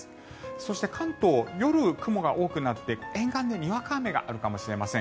そして、関東夜、雲が多くなって沿岸でにわか雨があるかもしれません。